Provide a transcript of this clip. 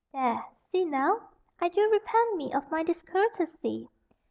There, see now, I do repent me of my discourtesy.